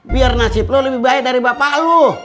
biar nasib lu lebih baik dari bapak lu